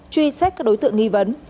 truy xét các đối tượng nghi vấn